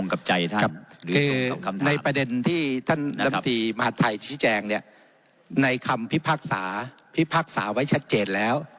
คือที่สำคัญ